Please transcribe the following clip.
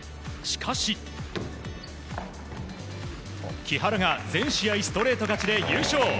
しかし、木原が全試合ストレート勝ちで優勝。